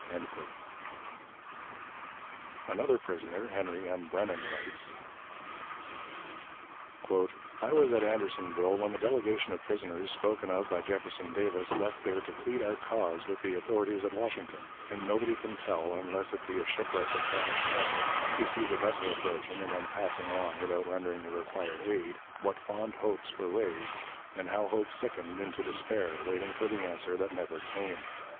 Another prisoner, Henry M. Brennan, writes: "I was at Andersonville when the delegation of prisoners spoken of by Jefferson Davis left there to plead our cause with the authorities at Washington; and nobody can tell, unless it be a shipwrecked and famished mariner, who sees a vessel approaching and then passing on without rendering the required aid, what fond hopes were raised, and how hope sickened into despair, waiting for the answer that never came.